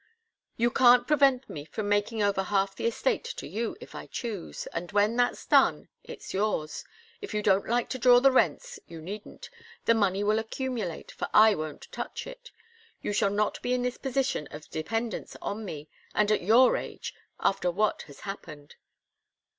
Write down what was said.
You can't prevent me from making over half the estate to you, if I choose, and when that's done, it's yours. If you don't like to draw the rents, you needn't. The money will accumulate, for I won't touch it. You shall not be in this position of dependence on me and at your age after what has happened."